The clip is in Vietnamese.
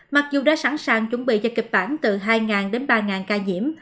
mặc dù đã sẵn sàng chuẩn bị cho kịch bản từ hai đến ba ca nhiễm